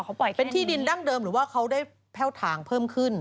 เขาเป็นที่ดินดั้งเดิมหรือว่าเขาได้แพ่วถางเพิ่มขึ้น